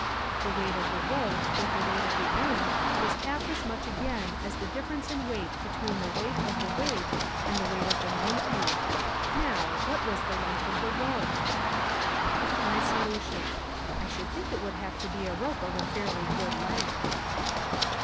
The weight of the rope with the weight at the end was half as much again as the difference in weight between the weight of the weight and the weight of the monkey. Now, what was the length of the rope? My Solution: I should think it would have to be a rope of a fairly good length.